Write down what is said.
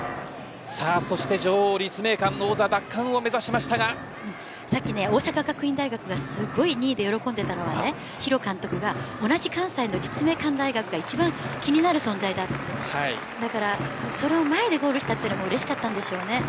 そして女王立命館の王座奪還を目指しましたが先ほど大阪学院大学が２位で喜んでいたのを弘監督が同じ関西の立命館大学が一番気になる存在だからその前でゴールしたのがうれしかったんでしょうね。